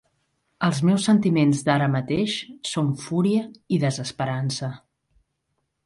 Els meus sentiments d'ara mateix són fúria i desesperança.